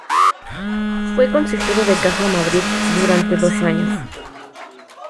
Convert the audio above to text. Fue consejero de Caja Madrid durante dos años.